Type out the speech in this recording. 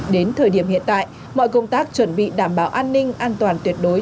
đến thời điểm hiện tại mọi công tác chuẩn bị đảm bảo an ninh an toàn tuyệt đối